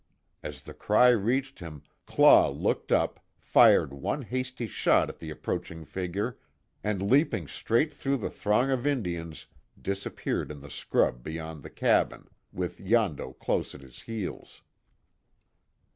As the cry reached him, Claw looked up, fired one hasty shot at the approaching figure, and leaping straight through the throng of Indians, disappeared in the scrub beyond the cabin, with Yondo close at his heels.